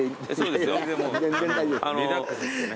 リラックスしてね。